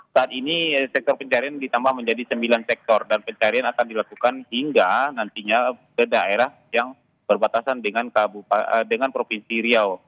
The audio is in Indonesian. saat ini sektor pencarian ditambah menjadi sembilan sektor dan pencarian akan dilakukan hingga nantinya ke daerah yang berbatasan dengan provinsi riau